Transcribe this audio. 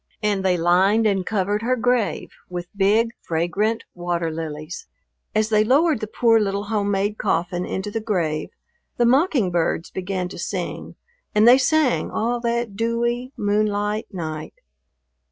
And they lined and covered her grave with big, fragrant water lilies. As they lowered the poor little home made coffin into the grave the mockingbirds began to sing and they sang all that dewy, moonlight night.